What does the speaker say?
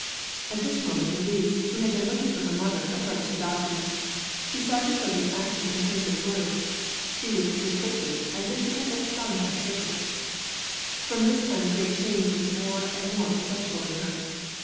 At this moment Louise, who had been looking for her mother, approached the balcony; she saw Jacobi's action and heard his words. She withdrew quickly, as if she had been stung by a serpent. From this time a great change was more and more perceptible in her.